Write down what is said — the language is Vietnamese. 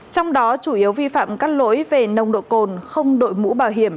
trong đó chủ yếu vi phạm các lỗi về nồng độ cồn không đội mũ bảo hiểm